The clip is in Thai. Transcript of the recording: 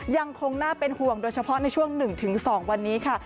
ยังคงน่าเป็นห่วงโดยเฉพาะในช่วง๑๒วันนี้ค่ะ